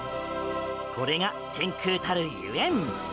これが天空たるゆえん。